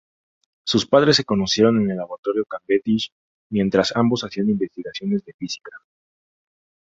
Sus padres se conocieron en el Laboratorio Cavendish mientras ambos hacían investigaciones de Física.